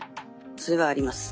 それはあります。